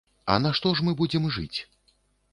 А на што ж мы будзем жыць?